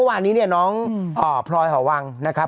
อ่าคุณเจอพร้อยนะ